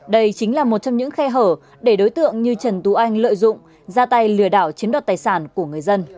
đây chính là một trong những khe hở để đối tượng như trần tú anh lợi dụng ra tay lừa đảo chiến đoạt tài sản